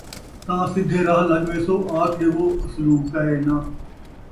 تاں سِدھے راہ لڳ ویسو، آکھ ݙیو اَصلوں کائے نہ!